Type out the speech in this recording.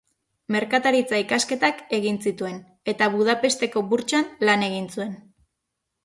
Merkataritza ikasketak egin zituen, eta Budapesteko Burtsan lan egin zuen.